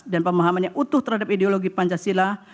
dan pemahaman yang utuh terhadap ideologi pancasila